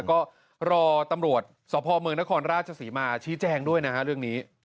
ก็รอตำรวจสพเมืองนครราชศรีมาชี้แจงด้วยนะฮะเรื่องนี้